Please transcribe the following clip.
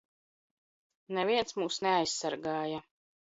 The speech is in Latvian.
Neviens mūs neaizsargāja!